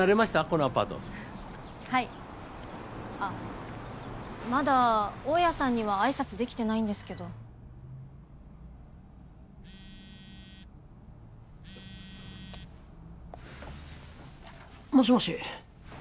このアパートはいあっまだ大家さんには挨拶できてないんですけどもしもし？